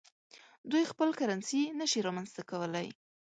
دوی خپل کرنسي نشي رامنځته کولای.